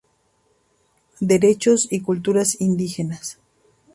Derechos y cultura indígenas.